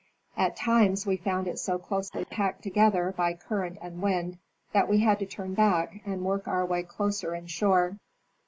At times we found it so closely packed together by current and wind that we had to turn back and work our way closer inshore.